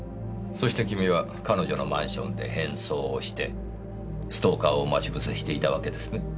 そして君は彼女のマンションで変装をしてストーカーを待ち伏せしていたわけですね。